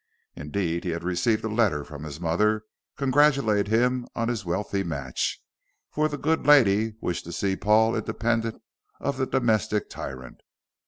Indeed, he had received a letter from his mother congratulating him on his wealthy match, for the good lady wished to see Paul independent of the domestic tyrant.